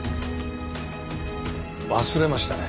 忘れましたね